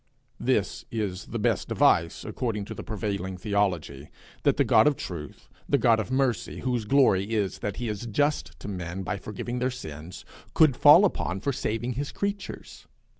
This is the best device, according to the prevailing theology, that the God of truth, the God of mercy, whose glory is that he is just to men by forgiving their sins, could fall upon for saving his creatures!